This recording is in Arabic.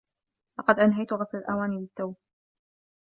لقد أنهيت غسل الأواني للتّو.